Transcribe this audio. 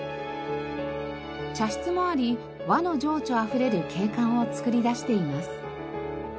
茶室もあり和の情緒あふれる景観を作り出しています。